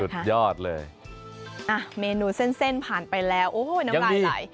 สุดยอดเลยอ่ะเมนูเส้นเส้นผ่านไปแล้วโอ้ยน้ำลายไหล